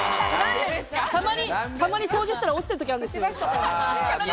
たまに掃除したら落ちているときあるんですよ。